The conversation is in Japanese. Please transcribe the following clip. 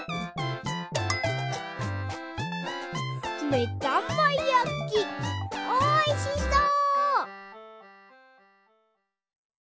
めだまやきおいしそう！